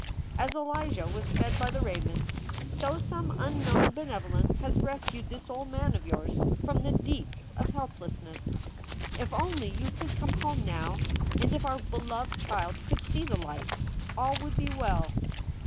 As Elijah was fed by the ravens, so some unknown benevolence has rescued this old man of yours from the deeps of helplessness. If only you could come home now, and if our beloved child could see the light, all would be well.